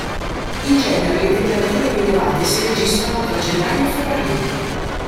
In genere le temperature più elevate si registrano tra gennaio e febbraio.